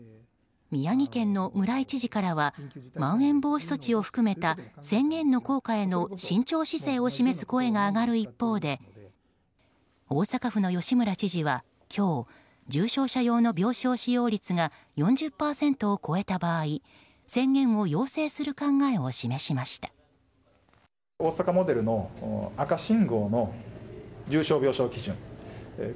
宮城県の村井知事からはまん延防止措置を含めた宣言の効果への慎重姿勢を示す声が上がる一方で大阪府の吉村知事は今日重症者用の病床使用率が４０％を超えた場合宣言を要請する考えを示しました。